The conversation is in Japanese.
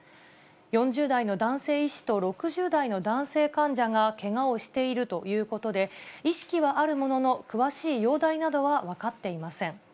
４０代の男性医師と６０代の男性患者がけがをしているということで、意識はあるものの、詳しい容体などは分かっていません。